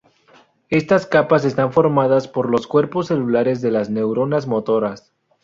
Estas capas están formadas por los cuerpos celulares de las neuronas motoras.